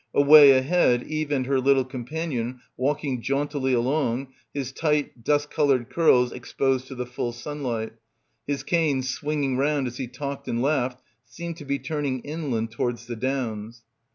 Away ahead Eve and her little companion walking jauntily along, his tight dlist coloured curls exposed to the full sunlight, his cane swinging round as he talked and laughed, seemed to be turning inland towards the downs.